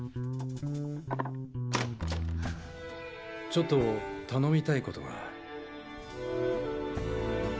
ちょっと頼みたいことが。